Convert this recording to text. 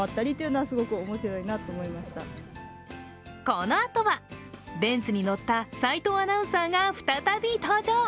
このあとはベンツに乗った齋藤アナウンサーが再び登場。